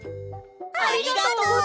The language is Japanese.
ありがとう！